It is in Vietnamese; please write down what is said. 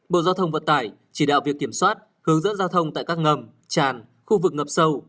bộ giao thông vận tải chỉ đạo việc kiểm soát hướng dẫn giao thông tại các ngầm tràn khu vực ngập sâu